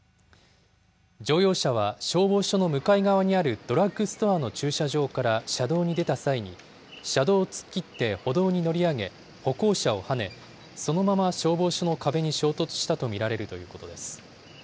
乗用車は消防署の向かい側にあるドラッグストアの駐車場から車道に出た際に、車道を突っ切って歩道に乗り上げ、歩行者をはね、そのまま消防署の壁に衝突したと見られるということです。